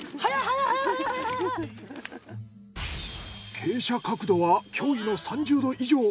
傾斜角度は驚異の３０度以上。